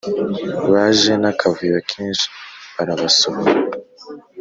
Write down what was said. baje nakavuyo kenshi barabasohora